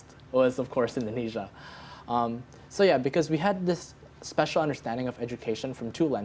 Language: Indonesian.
kami sebagai pendidikan secara umum tapi juga sebagai pelajar kita sendiri kami memutuskan